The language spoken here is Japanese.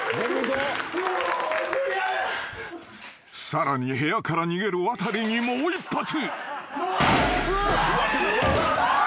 ［さらに部屋から逃げるワタリにもう一発］